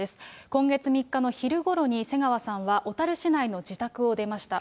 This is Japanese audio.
今月３日の昼ごろに、瀬川さんは小樽市内の自宅を出ました。